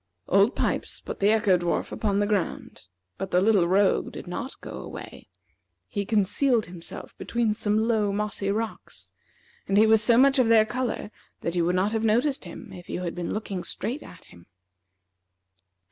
Old Pipes put the Echo dwarf upon the ground, but the little rogue did not go away. He concealed himself between some low, mossy rocks, and he was so much of their color that you would not have noticed him if you had been looking straight at him.